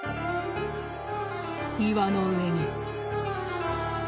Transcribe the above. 岩の上に。